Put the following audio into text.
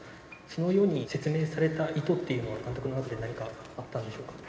そのように説明された意図というのは何かあったんでしょうか。